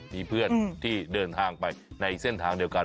มีเพื่อนที่เดินทางไปในเส้นทางเดียวกัน